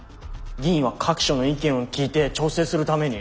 議員は各所の意見を聞いて調整するために。